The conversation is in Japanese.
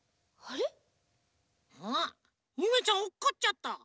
あっゆめちゃんおっこっちゃった。